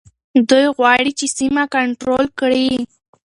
دوی غواړي چي سیمه کنټرول کړي.